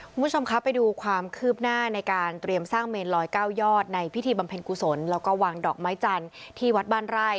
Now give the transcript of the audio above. คุณผู้ชมครับไปดูความคืบหน้าในการเตรียมสร้างเมนลอยเก้ายอดในพิธีบำเพ็ญกุศลแล้วก็วางดอกไม้จันทร์ที่วัดบ้านไร่